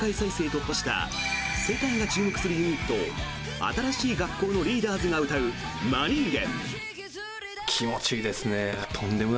突破した世界が注目するユニット新しい学校のリーダーズが歌う「マ人間」。